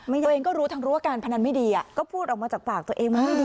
ตัวเองก็รู้ทั้งรู้ว่าการพนันไม่ดีก็พูดออกมาจากปากตัวเองมันไม่ดี